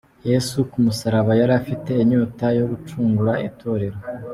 Yesu ku musaraba yari afite inyota yo gucungura itorero.